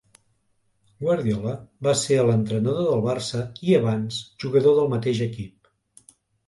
Guardiola va ser l'entrenador del Barça i abans jugador del mateix equip.